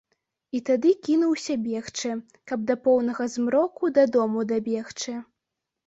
І тады кінуўся бегчы, каб да поўнага змроку да дому дабегчы.